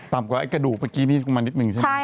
กว่าไอ้กระดูกเมื่อกี้นี่มานิดนึงใช่ไหม